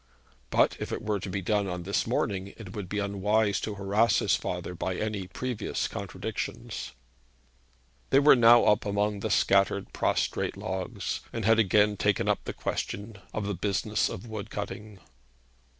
But, if it were to be done on this morning, it would be unwise to harass his father by any small previous contradictions. They were now up among the scattered prostrate logs, and had again taken up the question of the business of wood cutting.